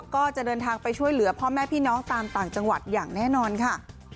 ก็จะเดินทางไปช่วยเหลือพ่อแม่พี่น้องตามต่างจังหวัดอย่างแน่นอนค่ะ